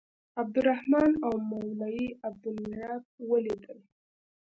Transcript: عبدالرحمن او مولوي عبدالرب ولیدل.